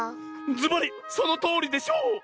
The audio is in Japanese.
ずばりそのとおりでしょう！